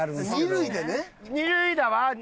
二塁打は。